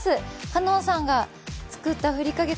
かのんさんが作ったふりかけ